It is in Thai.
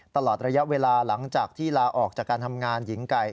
ตลอดระยะเวลาหลังจากที่ลาออกจากการทำงานหญิงไก่